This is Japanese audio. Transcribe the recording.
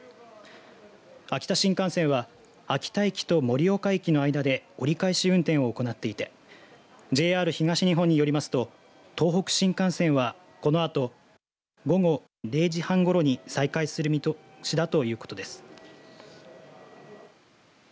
秋田新幹線は秋田駅と盛岡駅の間で折り返し運転を行っていてＪＲ東日本によりますと東北新幹線はこのあと、午後０時半ごろに再開する見通しだということです。